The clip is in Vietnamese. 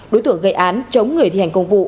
đối tượng gây án chống người thi hành công vụ